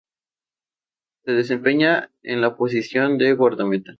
Se desempeña en la posición de guardameta.